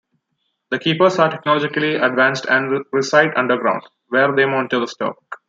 The Keepers are technologically advanced and reside underground, where they monitor the Stock.